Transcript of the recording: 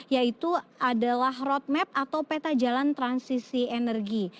yaitu adalah roadmap atau peta jalan transisi energi